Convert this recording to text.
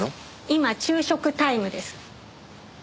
今昼食タイムです。